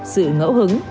sự ngẫu hứng